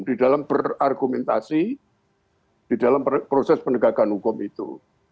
di dalam berargumentasi di dalam proses penegakan hukum itu